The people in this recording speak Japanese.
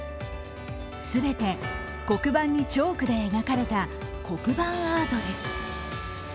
全て黒板にチョークで描かれた黒板アートです。